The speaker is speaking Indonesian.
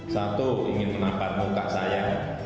satu ingin menampar muka saya